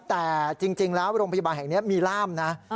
แต่จริงแล้วโรงพยาบาลแห่งนี้มีร่ามนะ